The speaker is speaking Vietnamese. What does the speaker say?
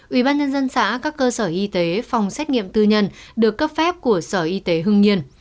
ủy ban nhân dân xã các cơ sở y tế phòng xét nghiệm tư nhân được cấp phép của sở y tế hương nhiên